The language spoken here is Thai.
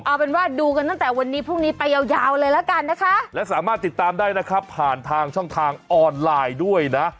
เอาเป็นว่าดูกันตั้งแต่วันนี้พรุ่งนี้ไปยาวยาวเลยละกันนะคะและสามารถติดตามได้นะครับผ่านทางช่องทางออนไลน์ด้วยนะ